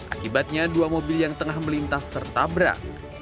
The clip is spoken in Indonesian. akibatnya dua mobil yang tengah melintas tertabrak